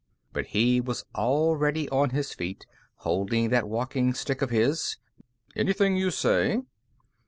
But he was already on his feet, holding that walking stick of his. "Anything you say."